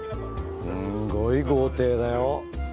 すんごい豪邸だよ。